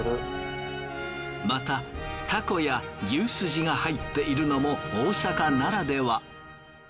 またタコや牛スジが入っているのも大阪ならでは。